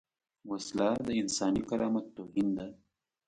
وسله د انساني کرامت توهین ده